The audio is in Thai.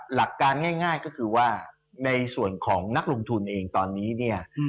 หลักการง่ายก็คือว่าในส่วนของนักลงทุนเองตอนนี้เนี่ย